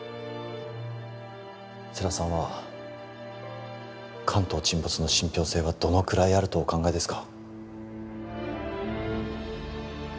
世良さんは関東沈没の信ぴょう性はどのくらいあるとお考えですか？